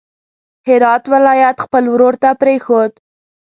هرات ولایت خپل ورور ته پرېښود.